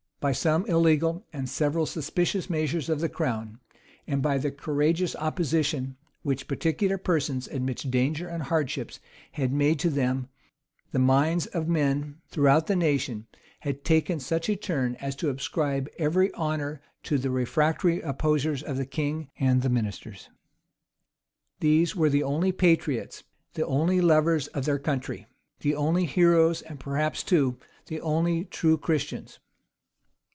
By some illegal, and several suspicious measures of the crown, and by the courageous opposition which particular persons, amidst dangers and hardships, had made to them, the minds of men, throughout the nation, had taken such a turn, as to ascribe every honor to the refractory opposers of the king and the ministers. These were the only patriots, the only lovers of their country, the only heroes, and perhaps, too, the only true Christians.